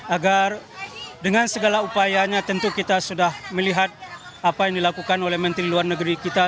agar dengan segala upayanya tentu kita sudah melihat apa yang dilakukan oleh menteri luar negeri kita